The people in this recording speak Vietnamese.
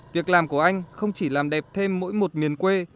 việc làm của anh không chỉ làm đẹp thêm mỗi một miền quê